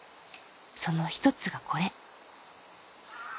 その一つがこれ。